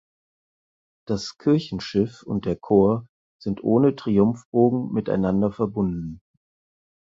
Das Kirchenschiff und der Chor sind ohne Triumphbogen miteinander verbunden.